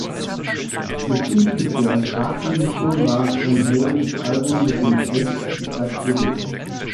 Bezüglich der Chartpositionen war es Van Halens Album mit den schlechtesten Platzierungen.